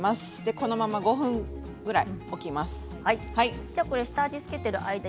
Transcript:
このまま５分程、置きます。